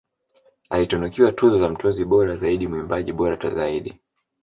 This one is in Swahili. Alitunukiwa tuzo za Mtunzi bora zaidi mwimbaji bora zaidi